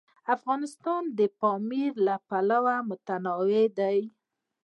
افغانستان د پامیر له پلوه متنوع دی.